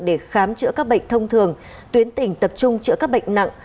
để khám chữa các bệnh thông thường tuyến tỉnh tập trung chữa các bệnh nặng